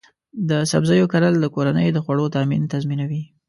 د سبزیو کرل د کورنۍ د خوړو تامین تضمینوي.